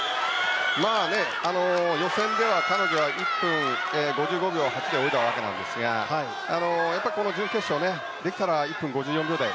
予選では彼女は１分５５秒８で泳いだわけですがこの準決勝できたら１分５４秒台。